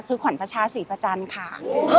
คือขวัญประชาศรีประจันทร์ค่ะ